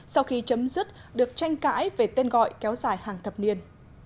sau khi chấm dứt được tranh cãi về tên gọi kéo dài hàng thập niên